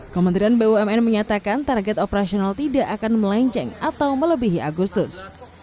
kementerian bumn menyatakan target operasional tidak akan melenceng atau melebihi agustus